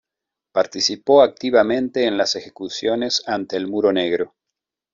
Participó activamente en las ejecuciones ante el Muro negro.